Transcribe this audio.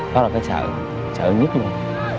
đó là cái sợ sợ nhất luôn